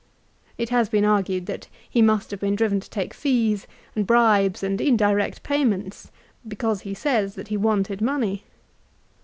It has been argued that he must have been driven to take fees and bribes and indirect payments, because he says that he wanted money.